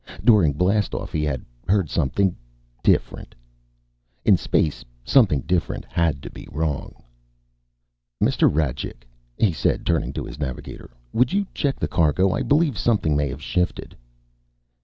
During blastoff, he had heard something different. In space, something different had to be wrong. "Mr. Rajcik," he said, turning to his navigator, "would you check the cargo? I believe something may have shifted."